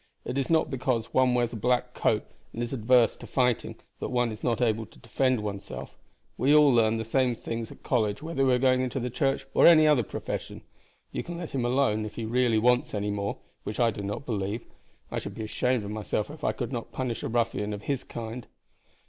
"It is not because one wears a black coat and is adverse to fighting that one is not able to defend one's self. We all learn the same things at college whether we are going into the church or any other profession. You can let him alone if he really wants any more, which I do not believe. I should be ashamed of myself if I could not punish a ruffian of his kind."